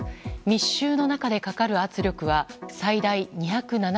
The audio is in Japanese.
密集の中でかかる圧力は最大２７０ｋｇ。